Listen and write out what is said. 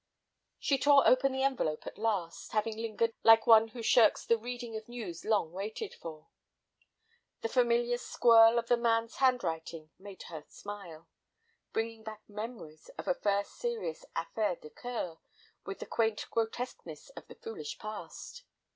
She tore open the envelope at last, having lingered like one who shirks the reading of news long waited for. The familiar squirl of the man's handwriting made her smile, bringing back memories of a first serious affaire de cœur with the quaint grotesqueness of the foolish past.